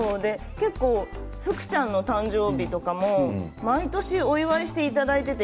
福ちゃんの誕生日とかも毎年お祝いしていただいていて。